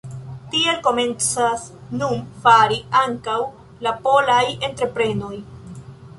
Tiel komencas nun fari ankaŭ la polaj entreprenoj.